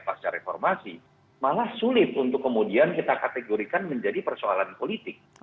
pasca reformasi malah sulit untuk kemudian kita kategorikan menjadi persoalan politik